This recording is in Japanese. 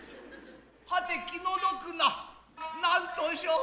はて気の毒な何んとせう。